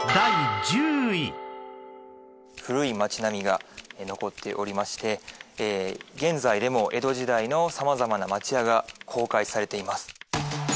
古い町並みが残っておりまして現在でも江戸時代の様々な町屋が公開されています。